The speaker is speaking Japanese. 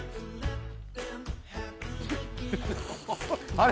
あれ？